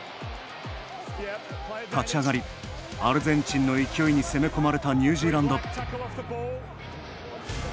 立ち上がりアルゼンチンの勢いに攻め込まれたニュージーランド。